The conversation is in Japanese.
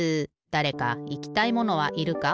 だれかいきたいものはいるか？